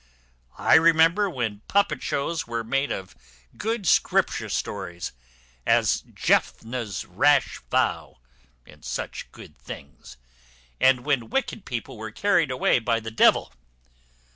I remember when puppet shows were made of good scripture stories, as Jephthah's Rash Vow, and such good things, and when wicked people were carried away by the devil.